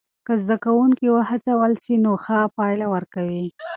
که زده کوونکي وهڅول سی نو ښه پایله ورکوي.